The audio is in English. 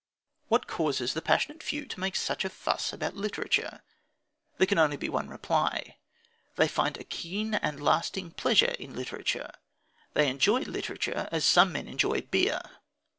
What causes the passionate few to make such a fuss about literature? There can be only one reply. They find a keen and lasting pleasure in literature. They enjoy literature as some men enjoy beer.